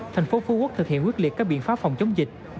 thành phố phú quốc thực hiện quyết liệt các biện pháp phòng chống dịch